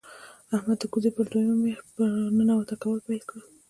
احمد د کوزې پر دویمه مياشت ننواته کول پیل کړل.